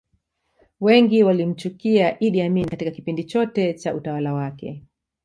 wengi walimchukia idd amin Katika kipindi chote cha utawala wake